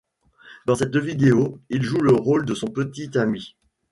Dans cette vidéo, il joue le rôle de son petit ami.